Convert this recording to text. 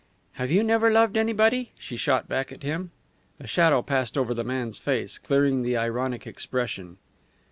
"Have you never loved anybody?" she shot back at him. A shadow passed over the man's face, clearing the ironic expression.